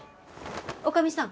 女将さん。